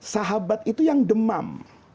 sahabat itu yang demam